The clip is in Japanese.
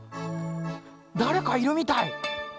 だれかいるみたい。